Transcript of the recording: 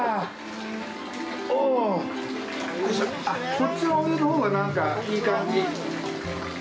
こっちのお湯のほうが、なんか、いい感じ。